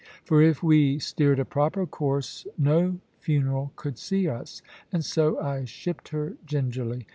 For if we steered a proper course no funeral could see us. And so I shipped her gingerly.